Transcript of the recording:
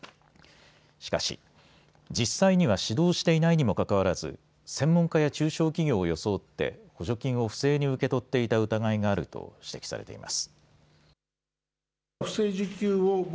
しかし、実際には指導していないにもかかわらず専門家や中小企業を装って補助金を不正に受け取っていた疑いがあると指摘されています。